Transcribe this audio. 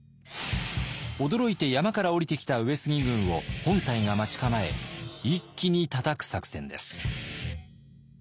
驚いて山から下りてきた上杉軍を本隊が待ち構え一気に叩く作戦です。